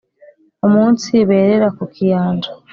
Umunsi berera ku Kiyanja